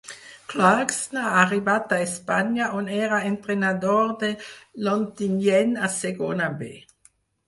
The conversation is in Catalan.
Clarkson ha arribat d'Espanya on era entrenador de l'Ontinyent a Segona B.